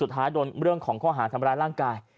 สุดท้ายโดนของข้อหารทำลายร่างกาย